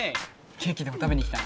「ケーキ」でも食べに来たの？